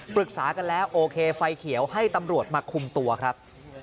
ปรึกษากันแล้วโอเคไฟเขียวให้ตำรวจมาคุมตัวครับ